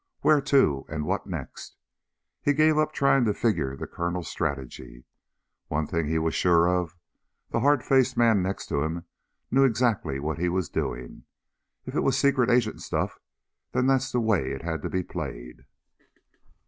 Where to and what next? He gave up trying to figure the Colonel's strategy. One thing he was sure of. The hard faced man next to him knew exactly what he was doing. If it was secret agent stuff, then that's the way it had to be played.